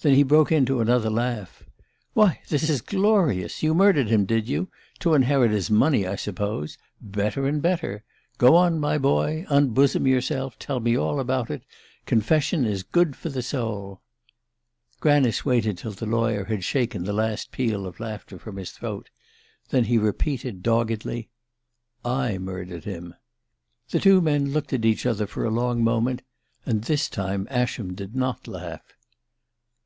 Then he broke into another laugh. "Why, this is glorious! You murdered him, did you? To inherit his money, I suppose? Better and better! Go on, my boy! Unbosom yourself! Tell me all about it! Confession is good for the soul." Granice waited till the lawyer had shaken the last peal of laughter from his throat; then he repeated doggedly: "I murdered him." The two men looked at each other for a long moment, and this time Ascham did not laugh.